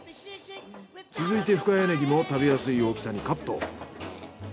続いて深谷ネギも食べやすい大きさにカット。